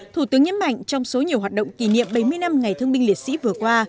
thủ tướng nhấn mạnh trong số nhiều hoạt động kỷ niệm bảy mươi năm ngày thương binh liệt sĩ vừa qua